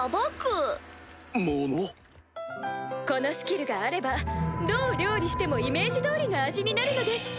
このスキルがあればどう料理してもイメージ通りの味になるのです！